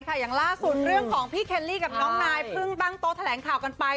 อย่างล่าสุดเรื่องของพี่เคลลี่กับน้องนายเพิ่งตั้งโต๊ะแถลงข่าวกันไป